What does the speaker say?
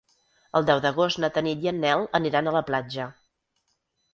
El deu d'agost na Tanit i en Nel aniran a la platja.